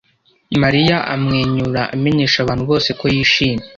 Mariya amwenyura amenyesha abantu bose ko yishimye.